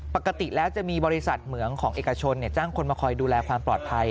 ปกติแล้วจะมีบริษัทเหมืองของเอกชนจ้างคนมาคอยดูแลความปลอดภัย